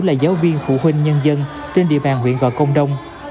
là giáo viên phụ huynh nhân dân trên địa bàn huyện gò công đông